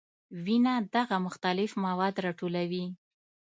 وینه دغه مختلف مواد راټولوي.